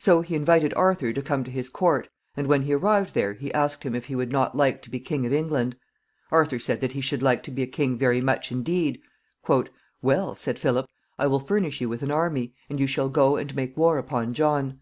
So he invited Arthur to come to his court, and when he arrived there he asked him if he would not like to be King of England. Arthur said that he should like to be a king very much indeed. "Well," said Philip, "I will furnish you with an army, and you shall go and make war upon John.